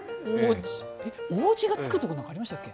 おうじがつくところってありましたっけ？